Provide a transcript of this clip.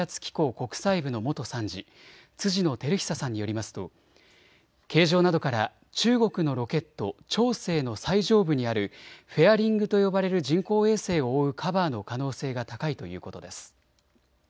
国際部の元参事、辻野照久さんによりますと形状などから中国のロケット、長征の最上部にあるフェアリングと呼ばれる人工衛星を覆うカバーの可能性が高いということです。